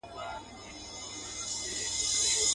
د سرکار له پوره نه سو خلاصېدلای.